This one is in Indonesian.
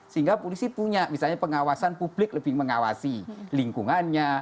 sehingga polisi punya misalnya pengawasan publik lebih mengawasi lingkungannya